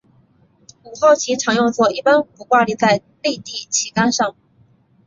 五号旗常用作一般不挂在立地旗杆上。